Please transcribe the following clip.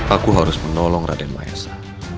aku harus menolong raden mahesa